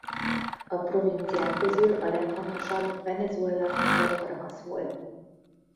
A provinciák közül a legfontosabb Venezuela vagy Caracas volt.